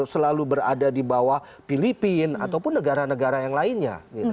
selalu berada di bawah filipina ataupun negara negara yang lainnya